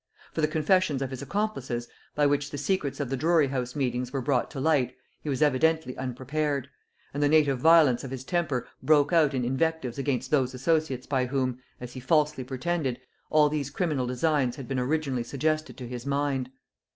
For the confessions of his accomplices, by which the secrets of the Drury house meetings were brought to light, he was evidently unprepared; and the native violence of his temper broke out in invectives against those associates by whom, as he falsely pretended, all these criminal designs had been originally suggested to his mind.